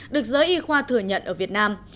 được giới y khoa thừa nhận ở việt nam